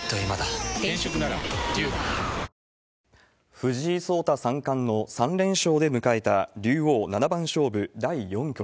藤井聡太三冠の３連勝で迎えた竜王七番勝負第４局。